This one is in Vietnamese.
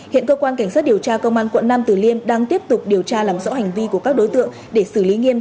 hiện cơ quan cảnh sát điều tra công an quận nam tử liêm đang tiếp tục điều tra làm rõ hành vi của các đối tượng để xử lý nghiêm theo quy định của pháp luật